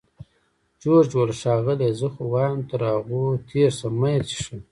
جورج وویل: ښاغلې! زه خو وایم تر هغوی تېر شه، مه یې څښه.